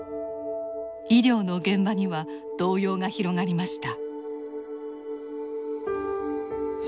医療の現場には動揺が広がりました。